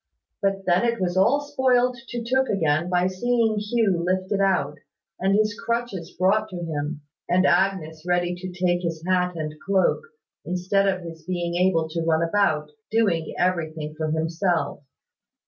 But then it was all spoiled to Tooke again by seeing Hugh lifted out, and his crutches brought to him, and Agnes ready to take his hat and cloak, instead of his being able to run about, doing everything for himself.